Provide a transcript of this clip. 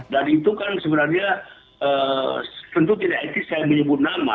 itu kan sebenarnya tentu tidak etis saya menyebut nama